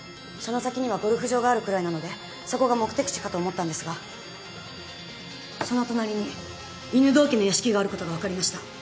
その先にはゴルフ場があるくらいなのでそこが目的地かと思ったんですがその隣に犬堂家の屋敷があることが分かりました。